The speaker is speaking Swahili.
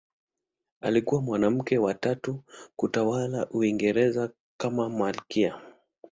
Alikuwa mwanamke wa tatu kutawala Uingereza kama malkia.